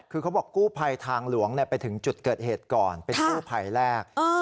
คือเขาบอกกู้ภัยทางหลวงไปถึงจุดเกิดเหตุก่อนเป็นกู้ภัยแรก